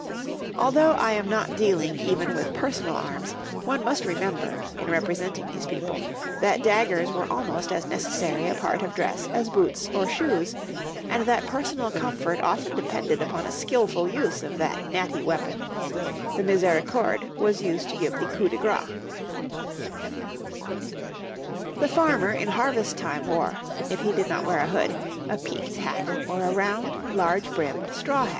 Although I am not dealing even with personal arms, one must remember, in representing these people, that daggers were almost as necessary a part of dress as boots or shoes, and that personal comfort often depended upon a skilful use of that natty weapon; the misericorde was used to give the coup de grâce. The farmer in harvest time wore, if he did not wear a hood, a peaked hat or a round, large brimmed straw hat.